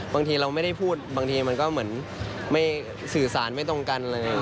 บางทีเราไม่ได้พูดบางทีมันก็เหมือนสื่อสารไม่ตรงกันอะไรอย่างนี้